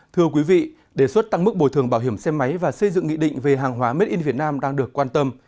thưa quý vị đề xuất tăng mức bồi thường bảo hiểm xe máy và xây dựng nghị định về hàng hóa made in việt nam đang được quan tâm